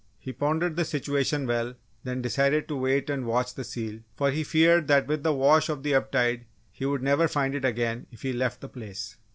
He pondered the situation well, then decided to wait and watch the seal, for he feared that with the wash of the ebb tide he would never find it again if he left the place.